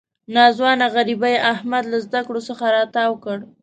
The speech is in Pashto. ناځوانه غریبۍ احمد له زده کړو څخه را تاو کړ.